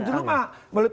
ada proses pengadilan